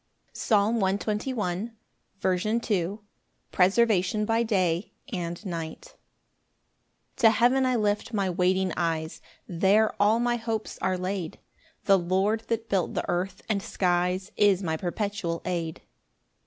Psalm 121:2. C. M. Preservation by day and night. 1 To heaven I lift my waiting eyes, There all my hopes are laid: The Lord that built the earth and skies Is my perpetual aid.